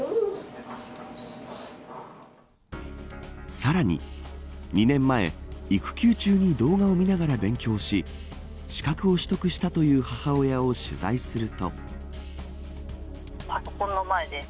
さらに２年前育休中に動画を見ながら勉強し資格を取得したという母親を取材すると。